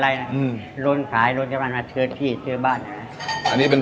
แค่ขายก๋วยเตี๋ยวอย่างเดียวเนี่ย